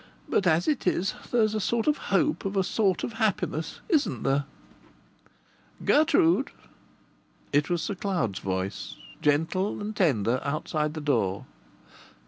But as it is, there's a sort of hope of a sort of happiness, isn't there?" "Gertrude!" It was Sir Cloud's voice, gentle and tender, outside the door.